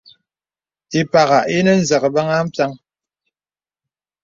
Ì pàghā ìnə nzəbəŋ à mpiaŋ.